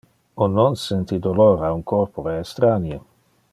On non senti dolor a un corpore estranie.